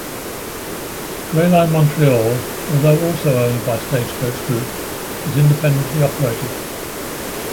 Gray Line Montreal, although also owned by Stagecoach Group, is independently operated.